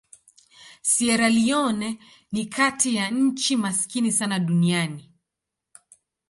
Sierra Leone ni kati ya nchi maskini sana duniani.